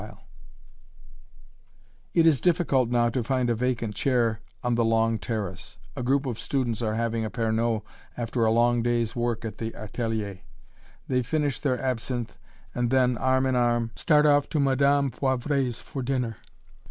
[Illustration: (woman walking near fountain)] It is difficult now to find a vacant chair on the long terrace. A group of students are having a "Pernod," after a long day's work at the atelier. They finish their absinthe and then, arm in arm, start off to Madame Poivret's for dinner.